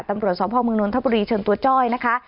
ตำรวจสพมธปรีเชิงตัวจ้อยนะคะ